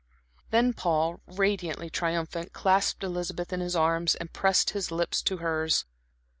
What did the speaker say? Then Paul, radiantly triumphant, clasped Elizabeth in his arms, and pressed his lips to hers.